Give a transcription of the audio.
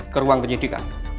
ke ruang penyidikan